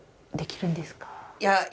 できるんですか？